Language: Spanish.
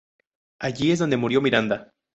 Allí es donde murió Miranda.